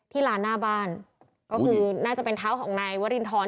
ลานหน้าบ้านก็คือน่าจะเป็นเท้าของนายวรินทร